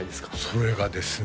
それがですね